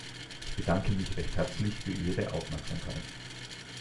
Ich bedanke mich recht herzlich für Ihre Aufmerksamkeit.